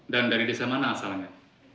dan dari desa mana asalnya